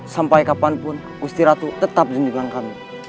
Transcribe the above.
sampai kapanpun gusti ratu tetap diunjungi kami